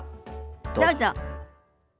どうぞ。